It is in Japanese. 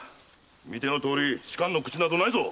見てのとおり仕官の口などないぞ！